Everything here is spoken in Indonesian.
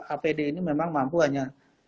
apd ini memang mampu hanya